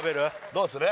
どうする？